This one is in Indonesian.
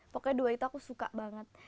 pokoknya dua itu aku suka banget